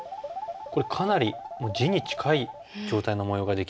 これかなりもう地に近い状態の模様ができましたよね。